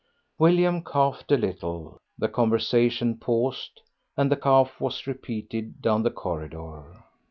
William coughed a little. The conversation paused, and the cough was repeated down the corridor.